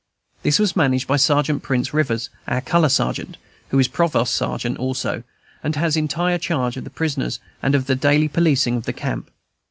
This was managed by Sergeant Prince Rivers, our color sergeant, who is provost sergeant also, and has entire charge of the prisoners and of the daily policing of the camp.